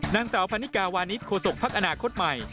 นางสาวพันนิกาวานิสโคศกภักดิ์อนาคตใหม่